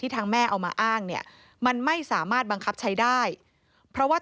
ทางแม่เอามาอ้างเนี่ยมันไม่สามารถบังคับใช้ได้เพราะว่า